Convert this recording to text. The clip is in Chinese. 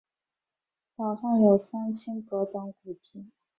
岛上有三清阁等古迹。